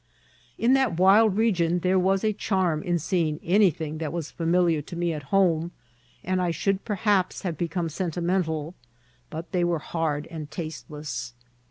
865 In that wild region there was a charm in seeing any thing that was familiar to me at home, and I should perhaps have become sentimental, but they were hard and tasteless.